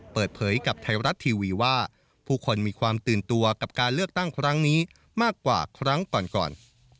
เปิดเผยกับไทยรัฐทีวีว่าผู้คนมีความตื่นตัวกับการเลือกตั้งครั้งนี้มากกว่าครั้งก่อนก่อน